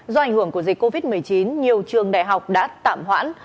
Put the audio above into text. do ảnh hưởng của dịch covid một mươi chín nhiều trường đại học đã tạm hoãn